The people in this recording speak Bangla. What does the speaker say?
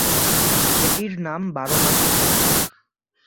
এটির নাম বার-মাসি খাল।